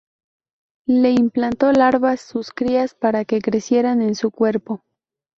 Le implantó larvas, sus crías, para que crecieran en su cuerpo.